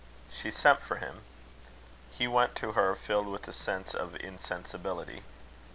She sent for him. He went to her filled with a sense of insensibility.